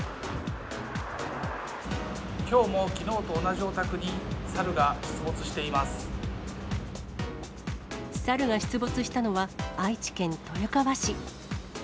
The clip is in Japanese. きょうもきのうと同じお宅に、猿が出没したのは、愛知県豊川市。